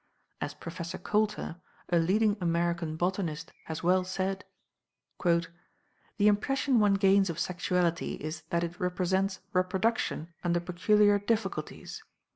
As Professor Coulter, a leading American botanist, has well said: "The impression one gains of sexuality is that it represents reproduction under peculiar difficulties."